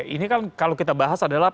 ini kan kalau kita bahas adalah